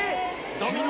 ドミノ。